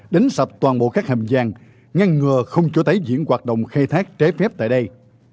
đánh sạp toàn bộ các hầm vàng ngăn ngừa không chỗ tái diễn hoạt động khai thác trái phép tại đây